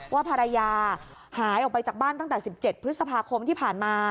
ว่าภรรยาหายออกไปจากบ้านตั้งแต่๑๗พฤษภาคมที่ผ่านมา